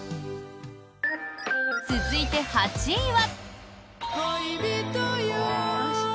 続いて、８位は。